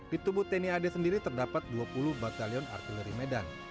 di tubuh tni ad sendiri terdapat dua puluh batalion artileri medan